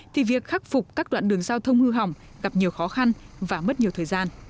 thì việc khắc phục các đoạn đường giao thông hư hỏng gặp nhiều khó khăn và mất nhiều thời gian